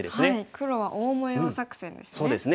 黒は大模様作戦ですね。